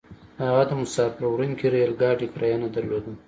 هغه د مساپر وړونکي ريل ګاډي کرايه نه درلوده.